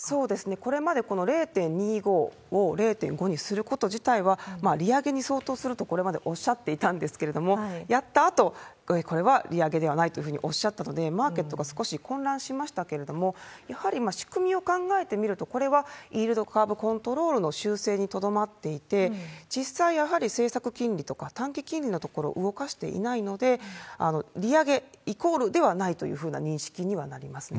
これまで、この０．２５を０．５にすること自体は利上げに相当すると、これまでおっしゃっていたんですけれども、やったあと、これは利上げではないというふうにおっしゃったので、マーケットが少し混乱しましたけれども、やはり仕組みを考えてみると、これはイールドカーブ・コントロールの修正にとどまっていて、実際、やはり政策金利とか短期金利のところ、動かしていないので、利上げイコールではないというふうな認識にはなりますね。